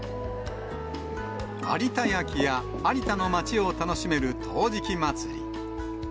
有田焼や有田の町を楽しめる陶磁器まつり。